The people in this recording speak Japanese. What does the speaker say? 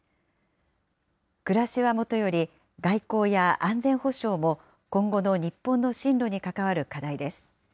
暮らしはもとより外交や安全保障も今後の日本の針路に関わる課題です。